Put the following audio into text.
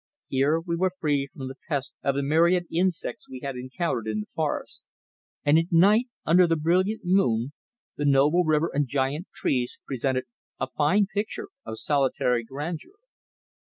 Here we were free from the pest of the myriad insects we had encountered in the forest; and at night, under the brilliant moon, the noble river and giant trees presented a fine picture of solitary grandeur.